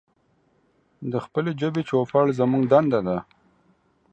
د خپلې ژبې چوپړ زمونږ دنده ده.